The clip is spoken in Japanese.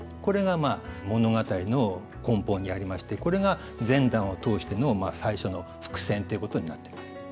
これが物語の根本にありましてこれが全段を通しての最初の伏線ということになっています。